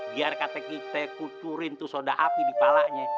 biar kata kita kucurin tuh soda api di palanya